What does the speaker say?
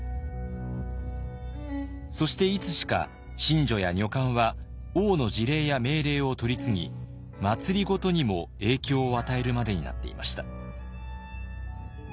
そしていつしか神女や女官は王の辞令や命令を取り次ぎ政にも影響を与えるまでになっていました。